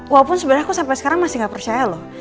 wapun sebenernya aku sampe sekarang masih gak percaya loh